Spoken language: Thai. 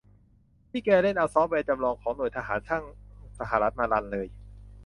พี่แกเล่นเอาซอฟต์แวร์จำลองของหน่วยทหารช่างสหรัฐมารันเลย